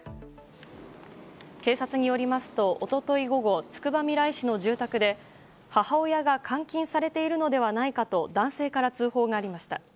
警察によりますと、一昨日午後つくばみらい市の住宅で母親が監禁されているのではないかと男性から通報がありました。